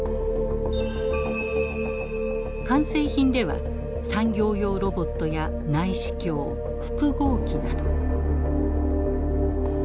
完成品では産業用ロボットや内視鏡複合機など。